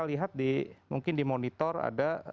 lihat di mungkin di monitor ada